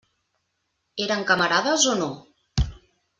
Eren camarades o no?